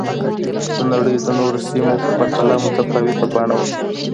د نړۍ د نورو سیمو په پرتله متفاوته بڼه وه